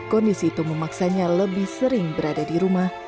kondisi itu memaksanya lebih sering berada di rumah